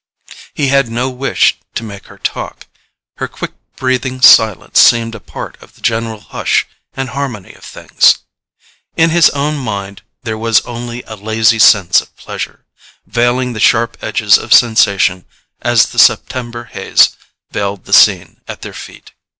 He had no wish to make her talk; her quick breathing silence seemed a part of the general hush and harmony of things. In his own mind there was only a lazy sense of pleasure, veiling the sharp edges of sensation as the September haze veiled the scene at their feet.